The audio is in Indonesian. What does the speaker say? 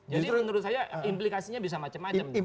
jadi menurut saya implikasinya bisa macam macam